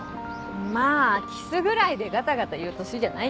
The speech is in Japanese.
まぁキスぐらいでガタガタ言う年じゃないけどね。